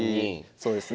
そうですね。